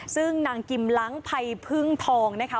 ซึ่งหนังกิมล้างพายพึงทองนะคะ